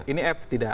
ini f tidak